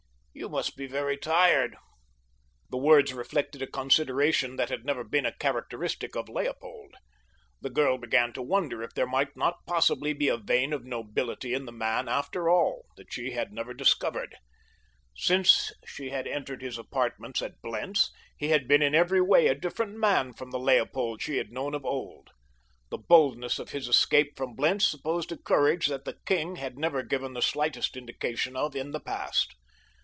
"You must be very tired." The words reflected a consideration that had never been a characteristic of Leopold. The girl began to wonder if there might not possibly be a vein of nobility in the man, after all, that she had never discovered. Since she had entered his apartments at Blentz he had been in every way a different man from the Leopold she had known of old. The boldness of his escape from Blentz supposed a courage that the king had never given the slightest indication of in the past.